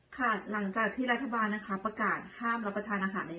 ค่ะหลังจากที่รัฐบาลนะคะประกาศห้ามรับประทานอาหารใน